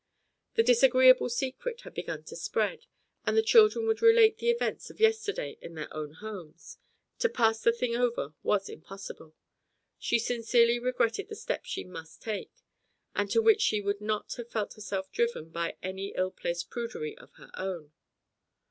The disagreeable secret had begun to spread; all the children would relate the events of yesterday in their own homes; to pass the thing over was impossible. She sincerely regretted the step she must take, and to which she would not have felt herself driven by any ill placed prudery of her own.